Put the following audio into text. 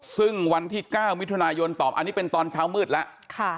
ซึ่งวันที่๙มิถุนายนตอบอันนี้เป็นตอนเช้ามืดแล้ว